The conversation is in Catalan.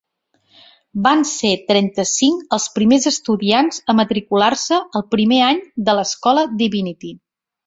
Van ser trenta-cinc els primers estudiants a matricular-se el primer any de l'escola Divinity.